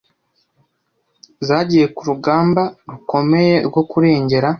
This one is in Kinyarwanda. zagiye ku rugamba rukomeye rwo kurengera